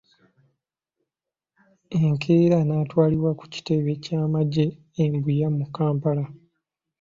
Enkeera naatwalibwa ku kitebe ky'amagye e Mbuya mu Kampala.